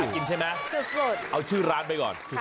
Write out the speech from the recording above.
กินใช่ไหมเอาชื่อร้านไปก่อน